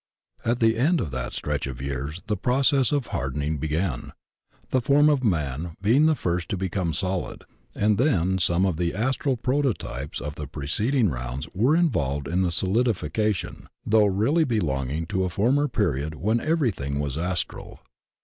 At the end of that stretch of years the process of hardening be gan, the form of man being the first to become solid, and then some of the astral prototypes of the pre ceding rounds were involved in the solidification, though really belonging to a former period when ev erything was astral.